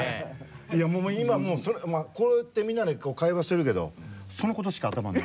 いやもう今もうこうやってみんなで会話してるけどそのことしか頭にない。